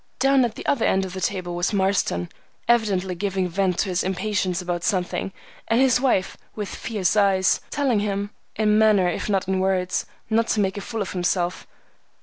Down at the other end of the table was Marston, evidently giving vent to his impatience about something, and his wife, with fierce eyes, telling him, in manner if not in words, not to make a fool of himself.